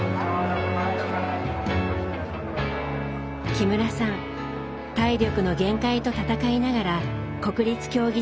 木村さん体力の限界と闘いながら国立競技場に戻ってきました。